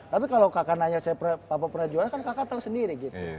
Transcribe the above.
tapi kalau kakak nanya saya papa pernah juara kan kakak tau sendiri gitu